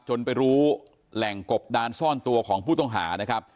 ไปรู้แหล่งกบดานซ่อนตัวของผู้ต้องหานะครับ